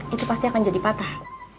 itu pasti akan jadi patah